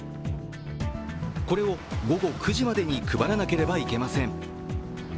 これを午後９時までに配らなければいけません。